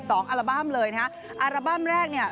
สองอาร์บัมเลยนะคะอาร์บัมแรกเนี่ย